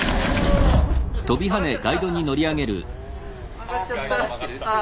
曲がっちゃったあ。